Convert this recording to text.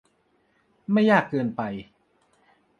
ไม่ยากเกินไป